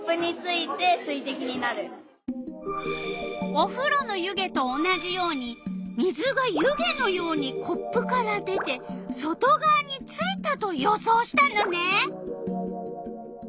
おふろの湯気と同じように水が湯気のようにコップから出て外がわについたと予想したのね！